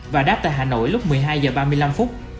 và đáp tại hà nội lúc một mươi hai h ba mươi năm phút